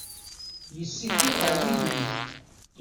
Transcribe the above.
Yessikid ɣer yigenni.